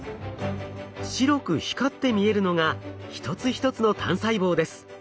白く光って見えるのが一つ一つの単細胞です。